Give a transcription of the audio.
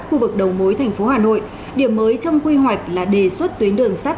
khu vực đầu mối thành phố hà nội điểm mới trong quy hoạch là đề xuất tuyến đường sắt